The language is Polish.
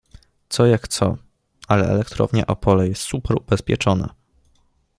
Co jak co, ale elektrownia Opole jest super ubezpieczona.